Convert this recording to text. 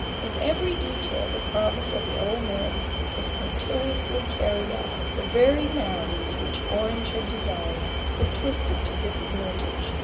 In every detail the promise of the old man was punctiliously carried out. The very maladies which Orange had desired, 42 A BOOK OF BARGAINS. were twisted to his advantage.